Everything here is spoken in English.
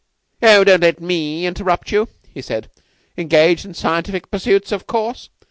"Oh, don't let me interrupt you," he said. "Engaged in scientific pursuits, of course?